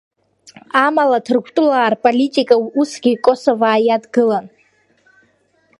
Амала Ҭырқәтәылаа рполитика усгьы Косоваа иадгылан.